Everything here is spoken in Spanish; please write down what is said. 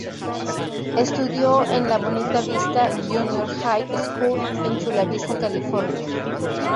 Estudió en la Bonita Vista Junior High School en Chula Vista, California.